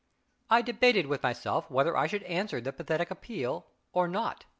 I debated with myself whether I should answer their pathetic appeal or not.